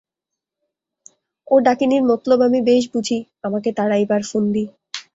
ও ডাকিনীর মৎলব আমি বেশ বুঝি, আমাকে তাড়াইবার ফন্দি!